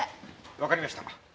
わかりました。